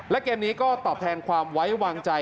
และเกมนี้ก็ตอบแทนความไว้วางใจ